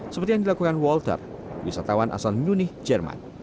seperti yang dilakukan walter wisatawan asal munich jerman